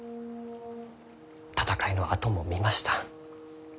戦いの跡も見ました。